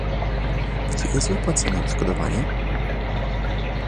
Czy jest wypłacane odszkodowanie?